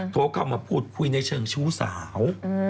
โทรเข้ามาพูดคุยในเชิงชู้สาว